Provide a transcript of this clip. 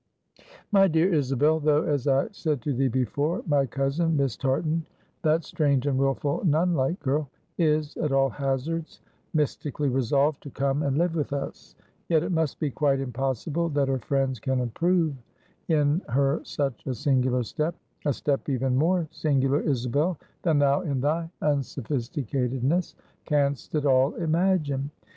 "My dear Isabel, though, as I said to thee before, my cousin, Miss Tartan, that strange, and willful, nun like girl, is at all hazards, mystically resolved to come and live with us, yet it must be quite impossible that her friends can approve in her such a singular step; a step even more singular, Isabel, than thou, in thy unsophisticatedness, can'st at all imagine.